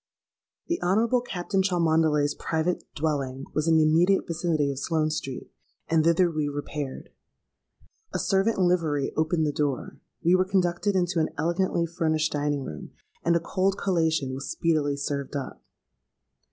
"The Honourable Captain Cholmondeley's private dwelling was in the immediate vicinity of Sloane Street; and thither we repaired. A servant in livery opened the door: we were conducted into an elegantly furnished dining room, and a cold collation was speedily served up.